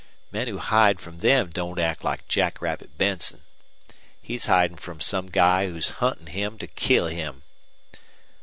Men who hide from them don't act like Jackrabbit Benson. He's hidin' from some guy who's huntin' him to kill him.